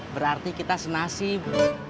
berarti kita senasib